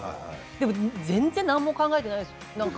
でも、全然何も考えてないんです。